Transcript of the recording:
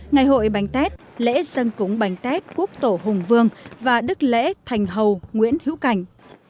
ngày hội bánh tết lễ dân cúng bánh tết quốc tổ hùng vương và đức lễ thành hầu nguyễn hữu cảnh